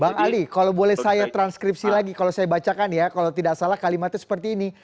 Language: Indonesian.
bang ali kalau boleh saya transkripsi lagi kalau saya bacakan ya kalau tidak salah kalimatnya seperti ini